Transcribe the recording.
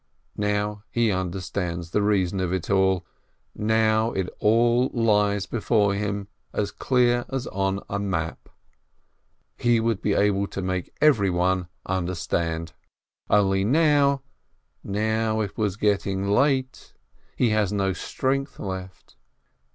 Now he understands the reason of it all, now it all lies before him as clear as on a map — he would be able to make every one understand. Only now — now it was getting late — he has no strength left.